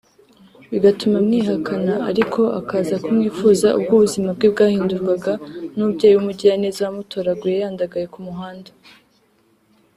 bigatuma amwihakana ariko akaza kumwifuza ubwo ubuzima bwe bwahindurwaga n’umubyeyi w’umugiraneza wamutoraguye yandagaye ku muhanda